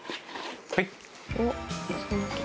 はい。